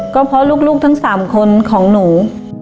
ก็เพราะลูกทั้ง๓คนของหนู